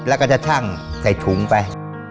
แล้วก็จะชั่งใส่ถุงไป